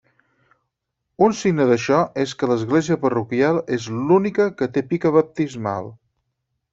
Un signe d'això és que l'església parroquial és l'única que té pica baptismal.